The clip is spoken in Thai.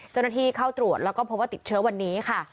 เจ้าหน้าที่เข้าตรวจแล้วก็พบว่าติดเชื้อวันนี้ค่ะ